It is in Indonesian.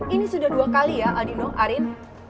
ini sudah dua kali ya aldino arin